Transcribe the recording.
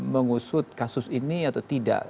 mengusut kasus ini atau tidak